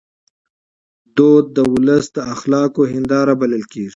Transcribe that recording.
فرهنګ د ولس د اخلاقو هنداره بلل کېږي.